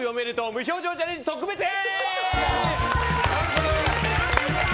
無表情チャレンジ特別編！